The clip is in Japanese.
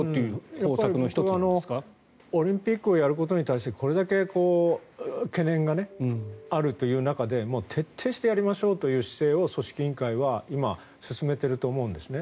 これはオリンピックをやることに対してこれだけ懸念があるという中で徹底してやりましょうという姿勢を組織委員会は今、進めていると思うんですね。